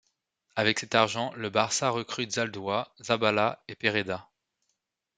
Avec cet argent, le Barça recrute Zaldúa, Zaballa, et Pereda.